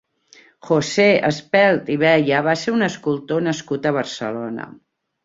José Espelt i Beya va ser un escultor nascut a Barcelona.